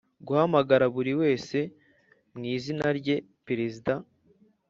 guhamagara buri wese mu izina rye Perezida